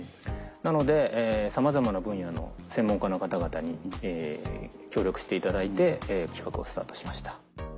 なのでさまざまな分野の専門家の方々に協力していただいて企画をスタートしました。